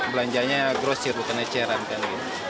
belanjanya grosir bukan eceran